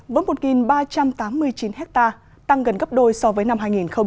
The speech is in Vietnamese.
với một ba trăm tám mươi chín hectare tăng gần gấp đôi so với năm hai nghìn một mươi bảy